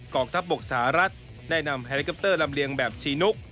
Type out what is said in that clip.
องทัพบกสหรัฐได้นำแฮลิคอปเตอร์ลำเลียงแบบชีนุก